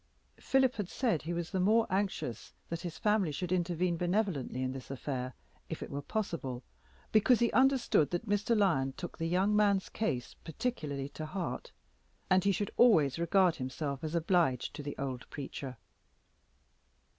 Philip had said he was the more anxious that his family should intervene benevolently in this affair, if it were possible, because he understood that Mr. Lyon took the young man's case particularly to heart, and he should always regard himself as obliged to the old preacher.